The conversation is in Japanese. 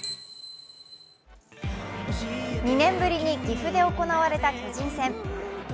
２年ぶりに岐阜で行われた巨人戦。